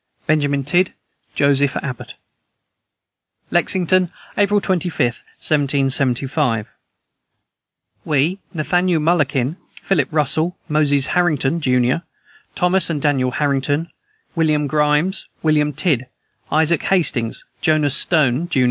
"BENJAMIN TIDD, JOSEPH ABBOT." "LEXINGTON, April 25, 1775. "We, Nathaniel Mullokin, Philip Russell, Moses Harrington, jun., Thomas and Daniel Harrington, William Grimes, William Tidd, Isaac Hastings, Jonas Stone, jun.